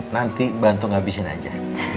nanti bantu ngabisin aja